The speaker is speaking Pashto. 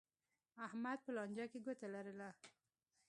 احمد په لانجه کې ګوته لرله.